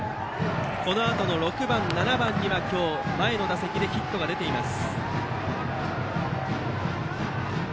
このあとの６番、７番には前の打席でヒットが出ています。